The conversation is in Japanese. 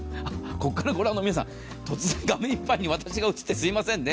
ここから御覧の皆さん、突然画面いっぱいに私が映ってすみませんね。